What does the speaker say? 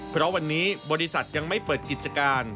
เพราะวันนี้บริษัทยังไม่เปิดกิจการ